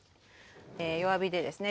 弱火でですね